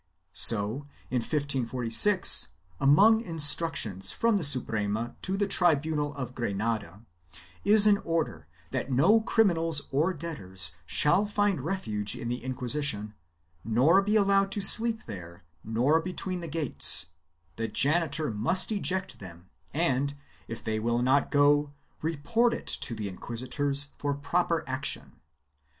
3 So, in 1546, among instructions from the Suprema to the tribunal of Granada, is an order that no criminals or debtors shall find refuge in the Inquisition, nor be allowed to sleep there nor between the gates; the janitor must eject them and, if they will not go, report it to the inquisitors for proper action.